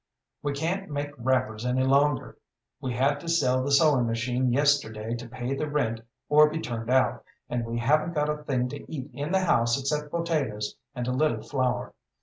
We can't make wrappers any longer. We had to sell the sewing machine yesterday to pay the rent or be turned out, and we haven't got a thing to eat in the house except potatoes and a little flour.